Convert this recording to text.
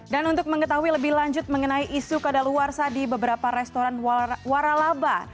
dan untuk mengetahui lebih lanjut mengenai isu kadaluarsa di beberapa restoran waralaba